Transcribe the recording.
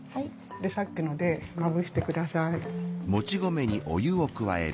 でさっきのでまぶしてください。